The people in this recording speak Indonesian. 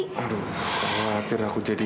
kenapa makanya aku harus sentuh